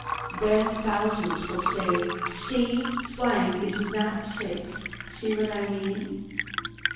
Then thousands will say, 'See! Flying is not safe!' See what I mean?"